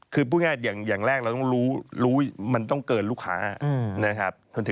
คือพูดง่ายอย่างแรกเราต้องรู้มันต้องเกินลูกค้านะครับ